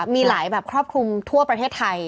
มีหลายแบบครอบคลุมทั่วประเทศไทย